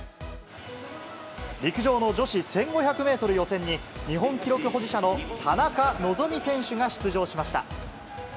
陸上の女子１５００メートル予選に、日本記録保持者の田中希実選手が出場しました。